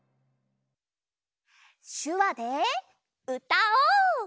しゅわでうたおう！